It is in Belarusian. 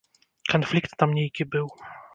Канфлікт там нейкі быў.